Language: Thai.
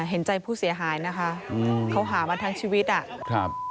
เห็นใจผู้เสียหายนะคะเขาหามาทั้งชีวิตอ่ะครับ